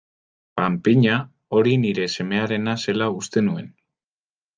Panpina hori nire semearena zela uste nuen.